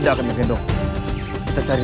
apa yang terjadi